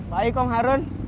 baik om harun